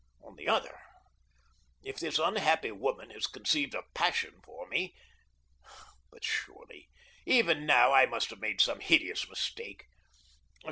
On the other, if this unhappy woman has conceived a passion for me But surely even now I must have made some hideous mistake.